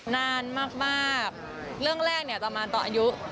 นานมากเรื่องแรกเนี่ยประมาณตอนอายุ